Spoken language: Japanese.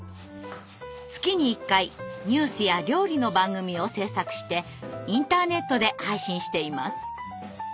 月に１回ニュースや料理の番組を制作してインターネットで配信しています。